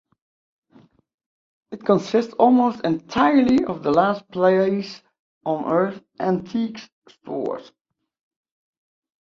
It consists almost entirely of The Last Place on Earth Antiques Store.